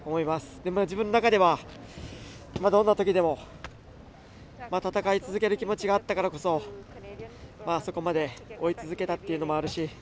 でも、自分の中ではどんなときでも戦い続ける気持ちがあったからこそそこまで追い続けたというのもあるし。